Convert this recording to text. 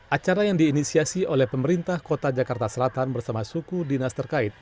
acara yang diinisiasi oleh pemerintah kota jakarta selatan bersama suku dinas terkait